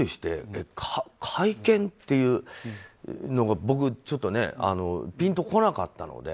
え、会見？っていうのが僕、ちょっとねピンと来なかったので。